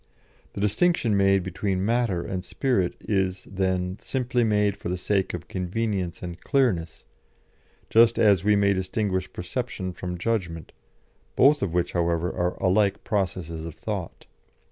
The distinction made between matter and spirit is, then, simply made for the sake of convenience and clearness, just as we may distinguish perception from judgment, both of which, however, are alike processes of thought.